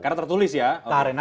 karena tertulis ya